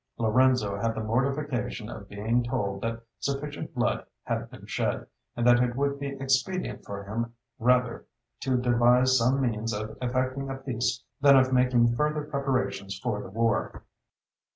Lorenzo had the mortification of being told that sufficient blood had been shed, and that it would be expedient for him rather to devise some means of effecting a peace than of making further preparations for the war.